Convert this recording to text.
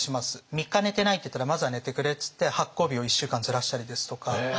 ３日寝てないって言ったらまずは寝てくれって言って発行日を１週間ずらしたりですとか。